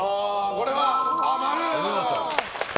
これは？